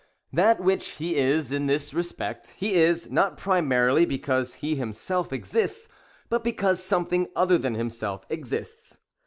That which he is in this respect, he is, not primarily because he himself exists, but because something other than himself exists.